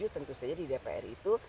tentu saja di dpr itu